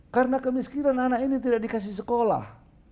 karena kemiskinan anak ini tidak dikasih sekolah